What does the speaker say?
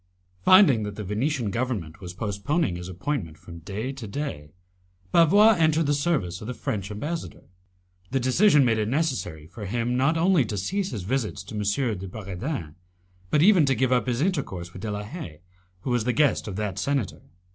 Finding that the Venetian government was postponing his appointment from day to day, Bavois entered the service of the French ambassador. The decision made it necessary for him not only to cease his visits to M. de Bragadin, but even to give up his intercourse with De la Haye, who was the guest of that senator.